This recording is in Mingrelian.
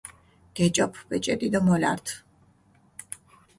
გეჭოფჷ ბეჭედი დო მოლართჷ.